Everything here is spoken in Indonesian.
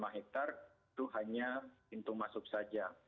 lima hektare itu hanya pintu masuk saja